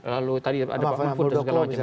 lalu tadi ada pak muldoko